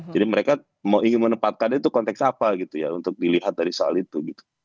jadi mereka ingin menempatkan dia itu konteks apa gitu ya untuk dilihat dari soal itu gitu